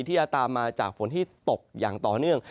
ที่จะตามมาจากฝนที่ตกอย่างต่อเนื่อง